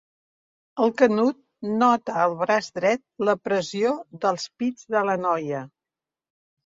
El Canut nota al braç dret la pressió dels pits de la noia.